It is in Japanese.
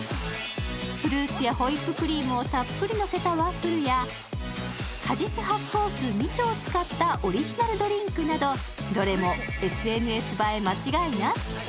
フルーツやホイップクリームをたっぷりのせたワッフルや、果実発酵酢、美酢を使ったオリジナルドリンクなどどれもＳＮＳ映え間違いなし。